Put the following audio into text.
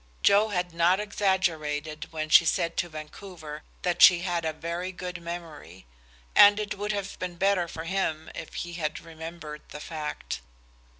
Joe had not exaggerated when she said to Vancouver that she had a very good memory, and it would have been better for him if he had remembered the fact.